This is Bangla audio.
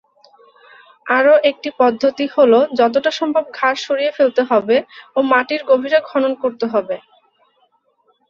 আরও একটি পদ্ধতি হল যতটা সম্ভব ঘাস সরিয়ে ফেলতে হবে ও মাটির গভীরে খনন করতে হবে।